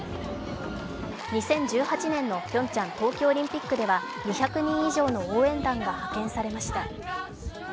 ２０１８年のピョンチャン冬季オリンピックでは２００人以上の応援団が派遣されました。